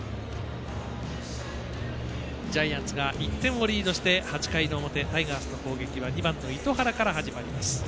ジャイアンツが１点をリードして８回の表タイガースの攻撃は２番の糸原から始まります。